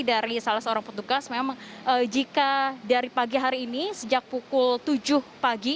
dari salah seorang petugas memang jika dari pagi hari ini sejak pukul tujuh pagi